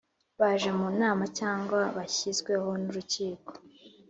baje mu nama cyangwa bashyizweho n Urukiko